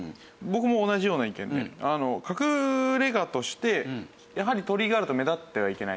僕も同じような意見で隠れ家としてやはり鳥居があると目立ってはいけないと。